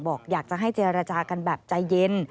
อยากจะให้เจรจากันแบบใจเย็น